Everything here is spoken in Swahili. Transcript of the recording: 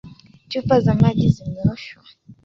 Chupa za maji zimeoshwa.